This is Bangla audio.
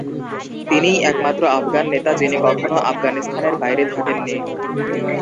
তিনিই একমাত্র আফগান নেতা যিনি কখনো আফগানিস্তানের বাইরে থাকেন নি।